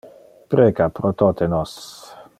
Preca pro tote nos.